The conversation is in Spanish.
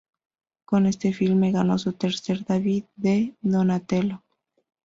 Con este filme ganó su tercer David de Donatello.